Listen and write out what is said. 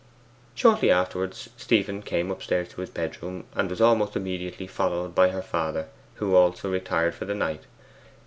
Shortly afterwards Stephen came upstairs to his bedroom, and was almost immediately followed by her father, who also retired for the night.